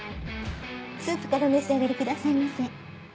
スープからお召し上がりくださいませ。